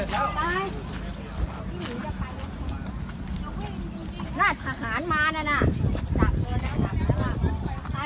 สวัสดีครับคุณพลาด